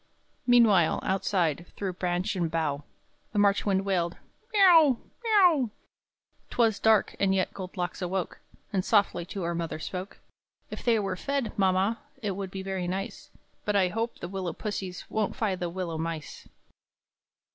Meanwhile, outside, through branch and bough, The March wind wailed, "M e o w! m e o w!" 'Twas dark, and yet Gold Locks awoke, And softly to her mother spoke: "If they were fed, mamma, It would be very nice; But I hope the willow pussies Won't find the willow mice!"